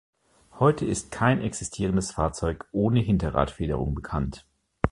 Heute ist kein existierendes Fahrzeug ohne Hinterradfederung bekannt.